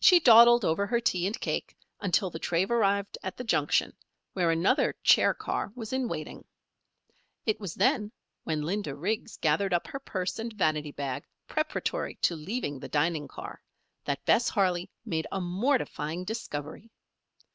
She dawdled over her tea and cake until the train arrived at the junction, where another chair car was in waiting. It was then, when Linda Riggs gathered up her purse and vanity bag, preparatory to leaving the dining car, that Bess Harley made a mortifying discovery.